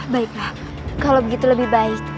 baiklah kalau begitu lebih baik